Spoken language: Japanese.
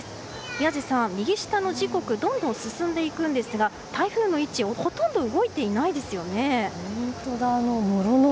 宮司さん、右下の時刻どんどん進んでいきますが台風の位置、ほとんど動いていないですよね。